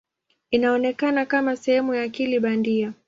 Inaonekana kama sehemu ya akili bandia.